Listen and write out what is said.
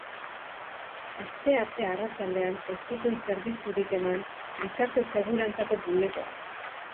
Astearte arratsaldean ez zuten zerbitzurik eman gizarte segurantzako bulegoan.